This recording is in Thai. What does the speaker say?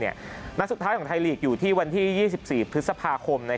นัดสุดท้ายของไทยลีกอยู่ที่วันที่๒๔พฤษภาคม